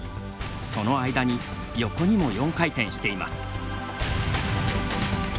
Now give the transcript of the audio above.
その間に横にも４回転しています。